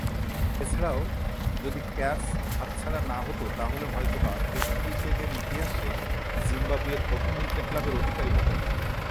এছাড়াও, যদি ক্যাচ হাতছাড়া না হতো তাহলে হয়তোবা টেস্ট ক্রিকেটের ইতিহাসে জিম্বাবুয়ের প্রথম উইকেট লাভের অধিকারী হতেন।